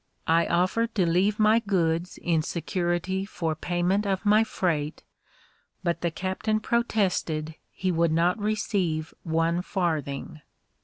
I offered to leave my goods in security for payment of my freight, but the captain protested he would not receive one farthing.